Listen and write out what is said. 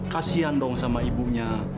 kasian dong sama ibunya